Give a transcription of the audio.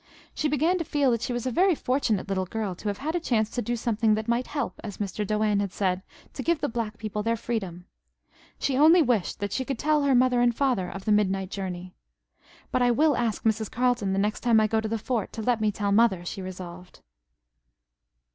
She began to feel that she was a very fortunate little girl to have had the chance to do something that might help, as Mr. Doane had said, to give the black people their freedom. She only wished that she could tell her mother and father of the midnight journey. "But I will ask Mrs. Carleton the next time I go to the fort to let me tell Mother," she resolved.